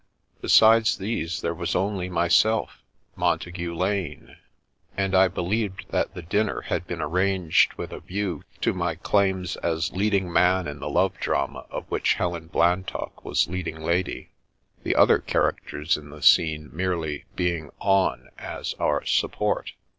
Be sides these, there was only myself, Montagu Lane; and I believed that the diimer had been arranged with a view to my claims as leading man in the love drama of which Helen Blantock was leading lady, the other characters in the scene merely being " on " as our " support.''